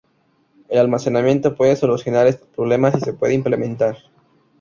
El almacenamiento puede solucionar estos problemas si se puede implementar.